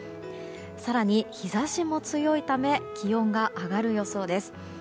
更に、日差しも強いため気温が上がる予想です。